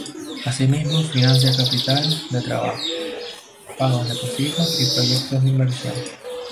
Así mismo, financia capital de trabajo, pago de pasivos y proyectos de inversión.